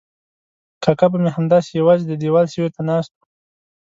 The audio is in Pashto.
کاکا به مې همداسې یوازې د دیوال سیوري ته ناست و.